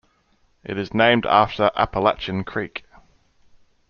It is named after Apalachin Creek.